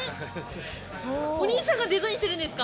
お兄さんがデザインしてるんですか？